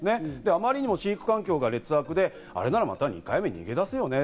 あまりにも飼育環境が劣悪で、あれならまた２回目、逃げ出すよね。